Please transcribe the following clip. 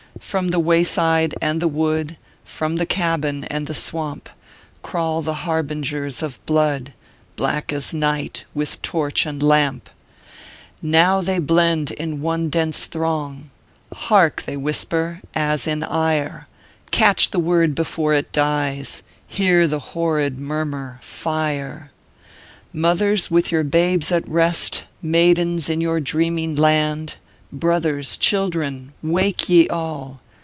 "From the wayside and the wood, From the cabin and the swamp, Crawl the harbingers of blood, Black as night, with torch and lamp. "Now they blend in one dense throng; Hark ! they whisper, as in ire Catch the word before it dies Hear the horrid murmur Fire 1* "Mothers, with your babes at rest, Maidens in your dreaming land Brothers, children wake ye all!